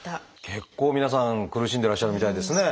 結構皆さん苦しんでらっしゃるみたいですね。